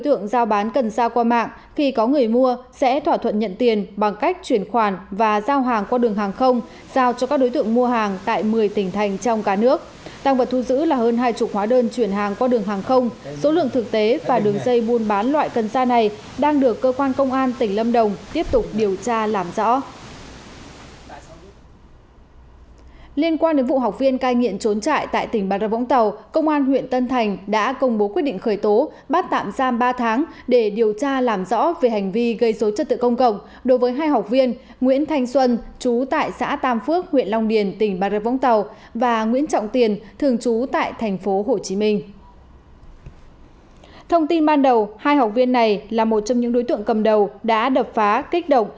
thông tin ban đầu hai học viên này là một trong những đối tượng cầm đầu đã đập phá kích động